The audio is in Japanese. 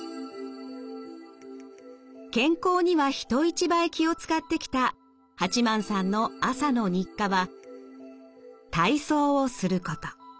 健康には人一倍気を遣ってきた八幡さんの朝の日課は体操をすること。